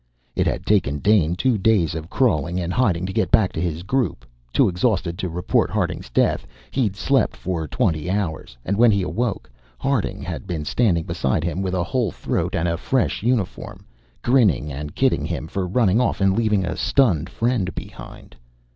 It had taken Dane two days of crawling and hiding to get back to his group, too exhausted to report Harding's death. He'd slept for twenty hours. And when he awoke, Harding had been standing beside him, with a whole throat and a fresh uniform, grinning and kidding him for running off and leaving a stunned friend behind.